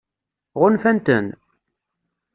Ɣunfan-ten?